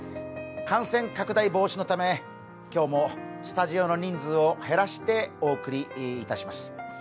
感染拡大防止のため、今日もスタジオの人数を減らしてお送りいたします。